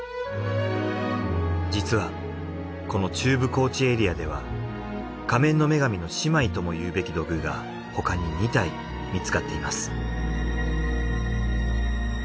実はこの中部高地エリアでは『仮面の女神』の姉妹ともいうべき土偶が他に２体見つかっています。